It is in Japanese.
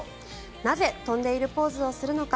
なぜ、飛んでいるポーズをするのか。